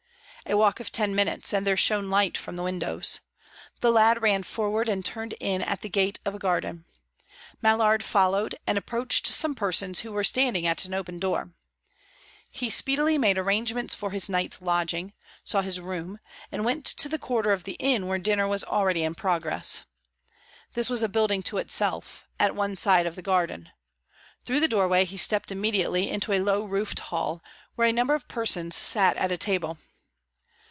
A walk of ten minutes, and there shone light from windows. The lad ran forward and turned in at the gate of a garden; Mallard followed, and approached some persons who were standing at an open door. He speedily made arrangements for his night's lodging, saw his room, and went to the quarter of the inn where dinner was already in progress. This was a building to itself, at one side of the garden. Through the doorway he stepped immediately into a low roofed hall, where a number of persons sat at table.